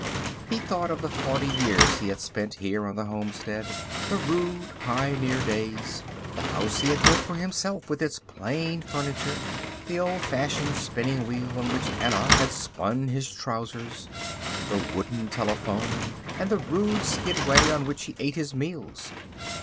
He thought of the forty years he had spent here on the homestead—the rude, pioneer days—the house he had built for himself, with its plain furniture, the old fashioned spinning wheel on which Anna had spun his trousers, the wooden telephone and the rude skidway on which he ate his meals.